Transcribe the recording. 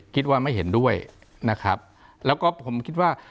คิดว่าไม่เห็นด้วยนะครับแล้วก็ผมคิดว่า